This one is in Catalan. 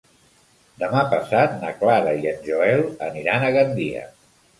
Demà passat na Clara i en Joel aniran a Gandia.